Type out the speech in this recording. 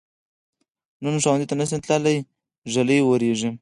نن ښؤونځي ته نشم تللی، ږلۍ وریږي.